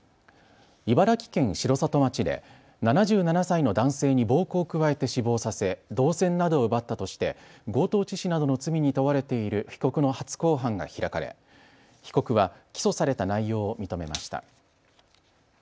茨城県城里町で７７歳の男性に暴行を加えて死亡させ銅線などを奪ったとして強盗致死などの罪に問われている被告の初公判が開かれ被告は起訴された内容を認めました。